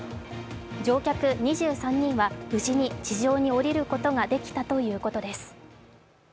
乗客２３人は無事に地上におりることができたということです。